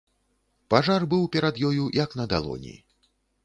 Пажар быў перад ёю як на далоні.